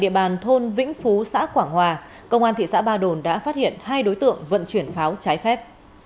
địa bàn thôn vĩnh phú xã quảng hòa công an thị xã ba đồn đã phát hiện hai đối tượng vận chuyển pháo trái phép